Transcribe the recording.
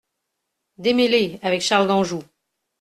- Démêlés avec Charles d'Anjou.